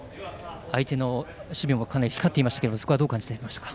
相手の守備もかなり光っていましたがそこはどう感じていましたか。